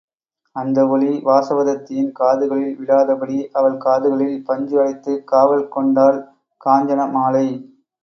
அந்த ஒலி வாசவதத்தையின் காதுகளில் விழாதபடி அவள் காதுகளில் பஞ்சு அடைத்துக் காவல் கொண்டாள் காஞ்சன மாலை.